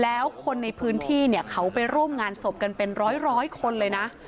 แล้วคนในพื้นที่เนี่ยเขาไปร่วมงานศพกันเป็นร้อยคนเลยนะ